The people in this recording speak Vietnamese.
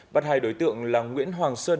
bắt hai đối tượng là nguyễn hoàng sơn